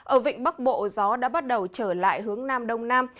ở vịnh bắc bộ gió đã bắt đầu trở lại hướng nam đông nam